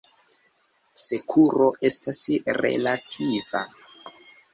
Sekuro estas relativa.